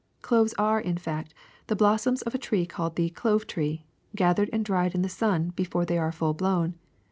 Cloves are, in fact, the blossoms of a tree called the clove tree, gathered and dried in the sun before they are full blown.